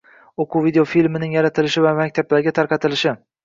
– o‘quv videofilmining yaratilishi va maktablarga tarqatilishi